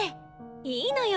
いいのよ。